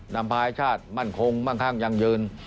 นำพายชาติมั่นคงมั่งข้างยั่งยืน